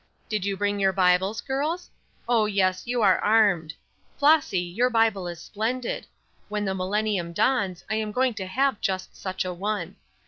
Did you bring your Bibles, girls? Oh, yes, you are armed. Flossy, your Bible is splendid; when the millennium dawns I am going to have just such a one.